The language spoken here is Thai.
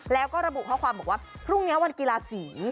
แล้วก็ระบุข้อความบอกว่าพรุ่งนี้วันกีฬาสี